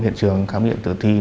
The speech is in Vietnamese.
hiện trường khám điện tử thi